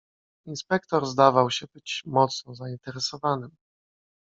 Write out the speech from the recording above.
"Inspektor zdawał się być mocno zainteresowanym."